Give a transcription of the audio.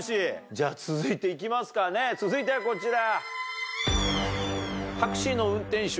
じゃ続いていきますかね続いてはこちら。